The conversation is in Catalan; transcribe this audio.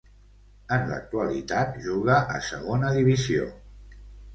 En l'actualitat juga a Segona Divisió.